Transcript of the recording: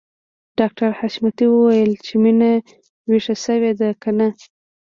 ډاکټر حشمتي وويل چې مينه ويښه شوې ده که نه